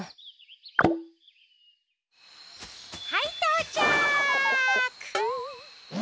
はいとうちゃく！